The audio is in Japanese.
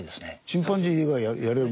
チンパンジー以外やれるの？